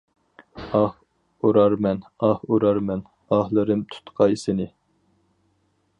ئاھ ئۇرارمەن، ئاھ ئۇرارمەن، ئاھلىرىم تۇتقاي سېنى.